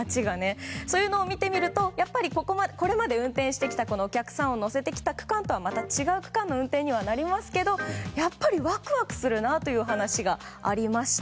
そういうのを見てみるとこれまでに運転してきたお客さんを乗せてきた区間とはまた違う区間の運転にはなりますがやはりワクワクするなという話がありました。